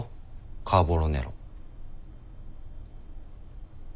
カーボロネロ。